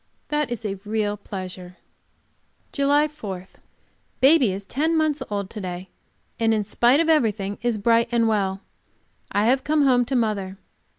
That is a real pleasure. JULY 4. Baby is ten months old to day, and in spite of everything is bright and well. I have come home to mother.